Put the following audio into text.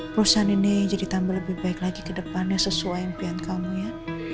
perusahaan ini jadi tambah lebih baik lagi ke depannya sesuai impian kamu ya